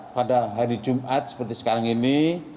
pada hari jumat seperti sekarang ini